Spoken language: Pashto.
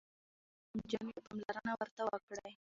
که ماشوم غمجن وي، پاملرنه ورته وکړئ.